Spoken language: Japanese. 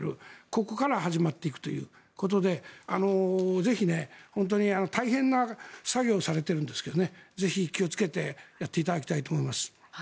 ここから始まっていくということで大変な作業をされているんですけどぜひ気をつけてやっていただきたいと思います。